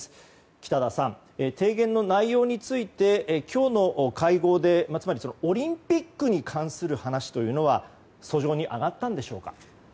北田さん、提言の内容について今日の会合でつまりオリンピックに関する話は俎上に上がったんでしょうか。